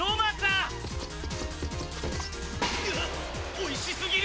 「おいし過ぎる」